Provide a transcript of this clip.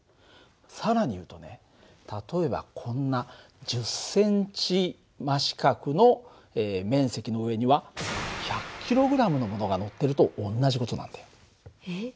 更に言うとね例えばこんな１０センチ真四角の面積の上には１００ｋｇのものがのってると同じ事なんだよ。えっ？